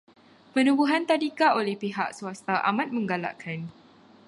Penubuhan tadika oleh pihak swasta amat menggalakkan.